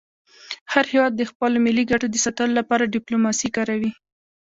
هر هېواد د خپلو ملي ګټو د ساتلو لپاره ډيپلوماسي کاروي.